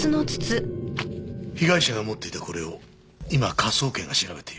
被害者が持っていたこれを今科捜研が調べている。